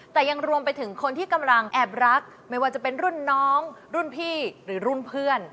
แต่ยังรวมไปถึงคนที่กำลังแอบรักไม่ว่าจะเป็นรุ่นน้องรุ่นพี่หรือรุ่นเพื่อน